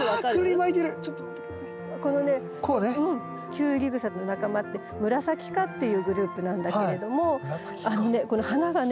キュウリグサの仲間ってムラサキ科っていうグループなんだけれどもあのねこの花がね